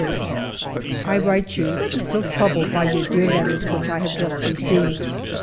I write you, still troubled by your dear let ters which I have just received.